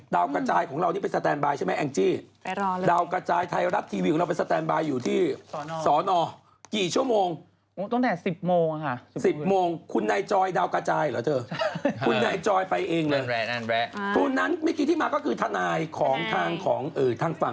ดาวกระจายของเราที่ไปสแตนบายใช่ไหมแองจิ